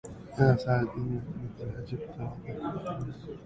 يا سعد إنك قد حجبت ثلاثة